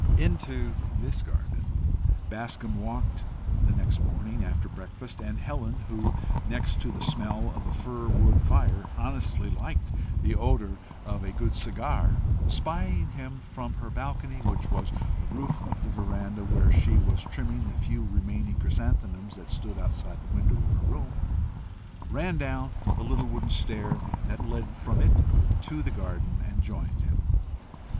Into this garden, Bascombe walked the next morning, after breakfast, and Helen, who, next to the smell of a fir wood fire, honestly liked the odour of a good cigar, spying him from her balcony, which was the roof of the veranda, where she was trimming the few remaining chrysanthemums that stood outside the window of her room, ran down the little wooden stair that led from it to the garden, and joined him.